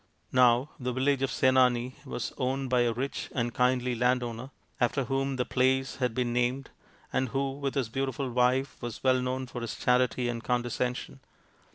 Now the village of Senani was owned by a rich and kindly landowner, after whom the place had been named, and who with his beautiful wife was well known for his charity and condescension.